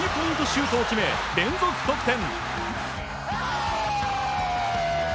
シュートを決め連続得点！